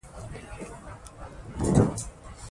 هنر د هغو کسانو ملګری دی چې یوازېتوب ورته ازار ورکوي.